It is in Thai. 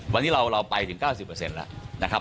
วันนี้เราไปถึง๙๐เปอร์เซ็นต์แล้วนะครับ